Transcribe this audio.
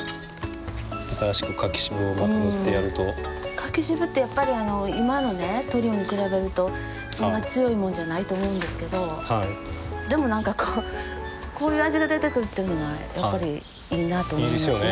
柿渋ってやっぱり今のね塗料に比べるとそんな強いもんじゃないと思うんですけどでも何かこうこういう味が出てくるっていうのがやっぱりいいなと思いますね。